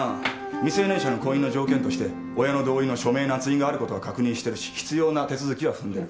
未成年者の婚姻の条件として親の同意の署名なつ印があることは確認してるし必要な手続きは踏んでる。